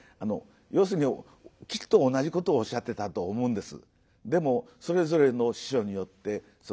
要するにきっと同じことをおっしゃってたと思うんです。